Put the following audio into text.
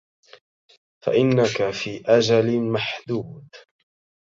فَإِنَّك فِي أَجَلٍ مَحْدُودٍ